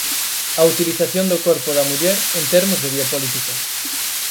A utilización do corpo da muller en termos de biopolítica.